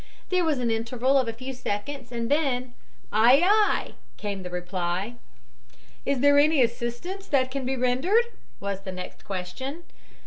There was an interval of a few seconds, and then, "Aye, aye," came the reply. "Is there any assistance that can be rendered?" was the next question.